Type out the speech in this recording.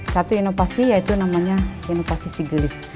satu inovasi yaitu namanya inovasi si gelis